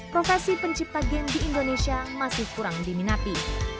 profesi pencipta game di indonesia masih kurang diminati